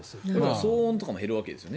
騒音とかも減るわけですよね。